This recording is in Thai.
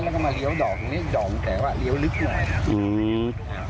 แล้วก็มาเลี้ยวดอกตรงเนี้ยดอกแต่ว่าเลี้ยวลึกหน่อยอืม